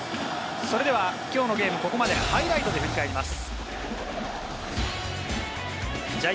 それではきょうのゲーム、ここまでハイライトで振り返ります。